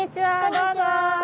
どうも。